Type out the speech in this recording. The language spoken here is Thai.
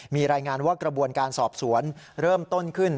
มีรายงานว่ากระบวนการสอบสวนเริ่มต้นขึ้น